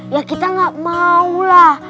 ya kita nggak maulah